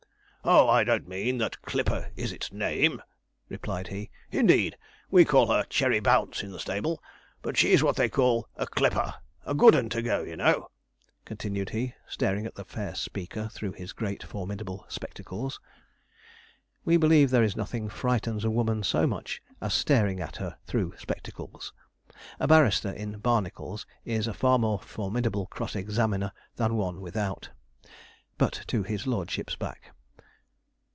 'Oh, I don't mean that clipper is its name,' replied he; 'indeed, we call her Cherry Bounce in the stable but she's what they call a clipper a good 'un to go, you know,' continued he, staring at the fair speaker through his great, formidable spectacles. We believe there is nothing frightens a woman so much as staring at her through spectacles. A barrister in barnacles is a far more formidable cross examiner than one without. But, to his lordship's back.